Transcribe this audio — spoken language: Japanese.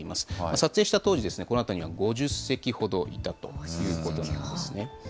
撮影した当時、この辺りには５０隻ほどいたということなんですね。